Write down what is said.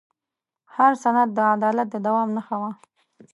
هر سند د عدالت د دوام نښه وه.